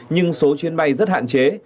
nhưng số chuyến bay rất hạn chế